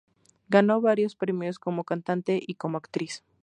Ganó varios premios, como cantante y como actriz.